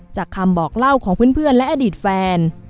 จากคำบอกเล่าของเพื่อนและอดีตแฟน